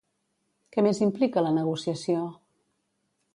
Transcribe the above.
Què més implica la negociació?